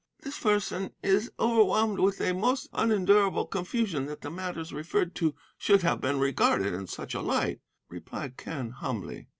"'This person is overwhelmed with a most unendurable confusion that the matters referred to should have been regarded in such a light,' replied Quen humbly.